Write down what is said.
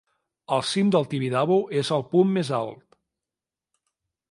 El cim del Tibidabo es el punt mes alt.